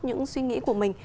những suy nghĩ của mình